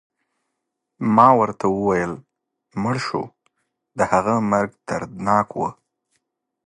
ما ورته وویل: مړ شو، د هغه مرګ دردناک و.